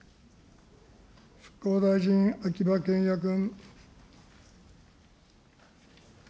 復興大臣、秋葉賢也君。